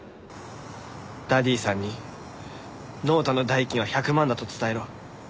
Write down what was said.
ダディさんにノートの代金は１００万だと伝えろ。